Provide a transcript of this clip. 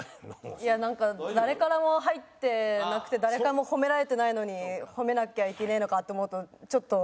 いやなんか誰からも入ってなくて誰からも褒められてないのに褒めなきゃいけねえのかって思うとちょっと。